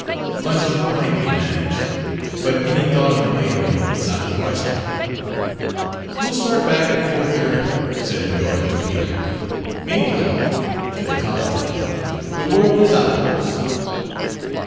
Lunch might be managed, but any thought of a later meal was out of the question. "We'll start back at four thirty," said Medora to Peter. "Meanwhile" to the college men "the world is ours."